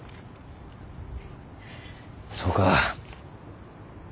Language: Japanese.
そうか。